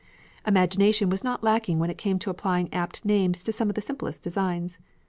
Imagination was not lacking when it came to applying apt names to some of the simplest designs.